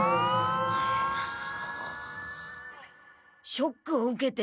ショックを受けて。